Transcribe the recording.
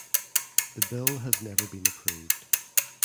The bill has never been approved.